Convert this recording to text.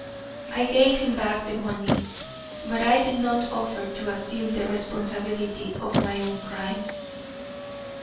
I gave him back the money, but I did not offer to assume the responsibility of my own crime."